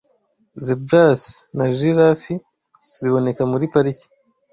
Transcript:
Zebrasi na giraffi biboneka muri pariki